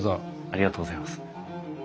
ありがとうございます。